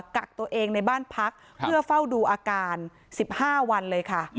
กักตัวเองในบ้านพักเพื่อเฝ้าดูอาการ๑๕วันเลยค่ะ